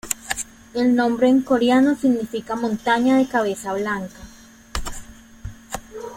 El nombre en coreano significa "montaña de cabeza blanca".